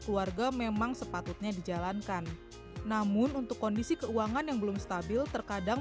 keluarga memang sepatutnya dijalankan namun untuk kondisi keuangan yang belum stabil terkadang